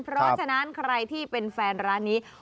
เพราะฉะนั้นใครที่เป็นแฟนร้านนี้